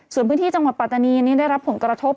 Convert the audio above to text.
ส่วนพื้นที่จังหวัดปัตตานีนี้ได้รับผลกระทบ